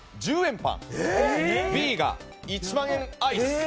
パンＢが１万円アイス。